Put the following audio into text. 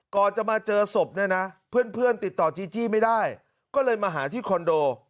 ก่อนจะมาเจอศพเนี่ยนะเพื่อนติดต่อจีจี้ไม่ได้ก็เลยมาหาที่คอนโด